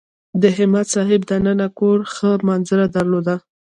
د همت صاحب دننه کور ښه منظره درلوده.